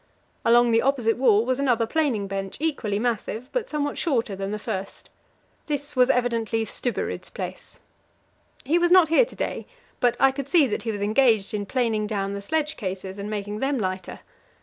Along the opposite wall was another planing bench, equally massive, but somewhat shorter than the first. This was evidently Stubberud's place. He was not here to day, but I could see that he was engaged in planing down the sledge cases and making them lighter.